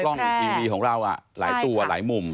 กล้องทีวีของเราหลายตัวหลายมุม